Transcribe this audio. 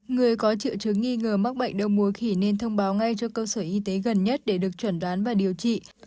người có triệu chứng nghi ngờ mắc bệnh đau muối khỉ nên thông báo ngay cho cơ sở y tế gần nhất để được chuẩn đoán và điều trị